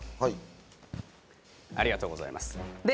ありがとうございます。